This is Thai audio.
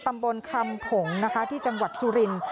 ตำบลคัมผงที่จังหวัดสุริน